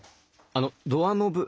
あのドアノブ。